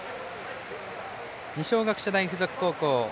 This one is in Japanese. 二松学舎大付属高校